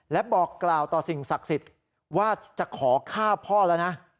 และบอกกล่าวต่อสิ่งศักดิ์สิทธิ์ว่าจะขอฆ่าพ่อแล้วนะ